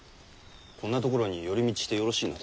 こんなところに寄り道してよろしいので？